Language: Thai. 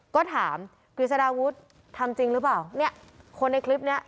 ก็ถามกฤษฎาวุฒิทำจริงหรือเปล่าเนี่ยคนในคลิปเนี้ย